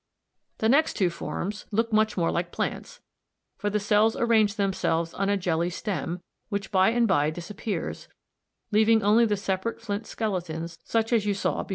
] The next two forms, a and c, look much more like plants, for the cells arrange themselves on a jelly stem, which by and by disappears, leaving only the separate flint skeletons such as you see in Fig.